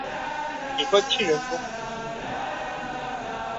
奥尔穆瓦维莱尔。